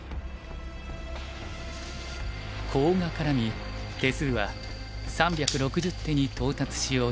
コウが絡み手数は３６０手に到達しようとしていた。